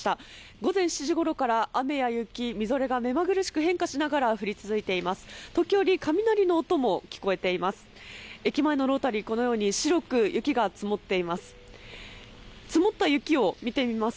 午前７時ごろから、雨や雪、みぞれが目まぐるしく変化しながら降り続いています。